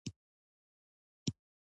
کلتور د افغانستان د ځمکې د جوړښت نښه ده.